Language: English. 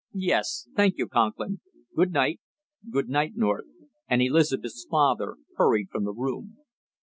"Yes, thank you, Conklin. Good night. Good night, North," and Elizabeth's father hurried from the room.